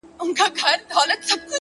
دا مه وايه چي ژوند تر مرگ ښه دی ـ